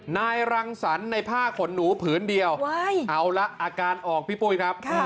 นายรังสรรค์ในผ้าขนหนูผืนเดียวเอาละอาการออกพี่ปุ้ยครับ